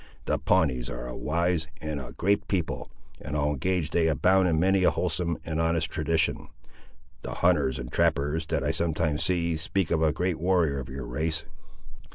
"The Pawnees are a wise and a great people, and I'll engage they abound in many a wholesome and honest tradition. The hunters and trappers, that I sometimes see, speak of a great warrior of your race."